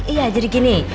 iya jadi gini